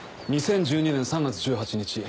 ２０１２年３月１８日。